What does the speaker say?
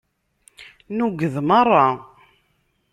Nuged merra.